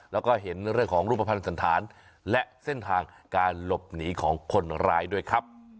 แล้วก็เห็นเรื่องของรูปภัณฑ์สันธารและเส้นทางการหลบหนีของคนร้ายด้วยครับ